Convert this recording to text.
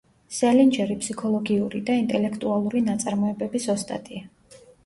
სელინჯერი ფსიქოლოგიური და ინტელექტუალური ნაწარმოებების ოსტატია.